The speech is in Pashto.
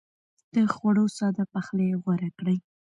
د خوړو ساده پخلی غوره کړئ.